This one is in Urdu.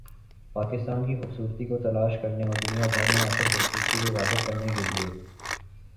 پاکستان کی خوبصورتی کو تلاش کرنے اور دنیا بھر میں اصل خوبصورتی کو ظاہر کرنے کے لئے